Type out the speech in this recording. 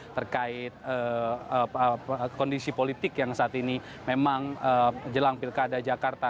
terkait kondisi politik yang saat ini memang jelang pilkada jakarta